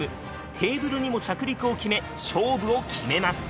テーブルにも着陸を決め勝負を決めます。